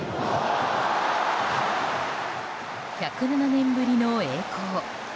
１０７年ぶりの栄光。